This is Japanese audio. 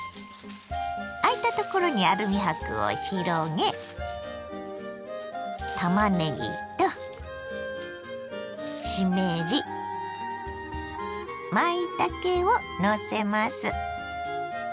あいたところにアルミ箔を広げたまねぎとしめじまいたけをのせます。